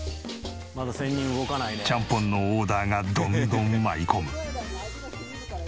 ちゃんぽんのオーダーがどんどん舞い込む。